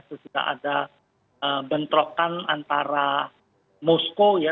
sesudah ada bentrokan antara moskow ya